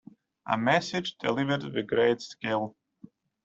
A message delivered with great skill.